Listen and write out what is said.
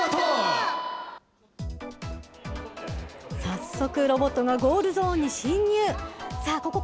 早速、ロボットがゴールゾーンに侵入。